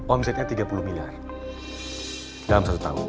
omsetnya tiga puluh miliar dalam satu tahun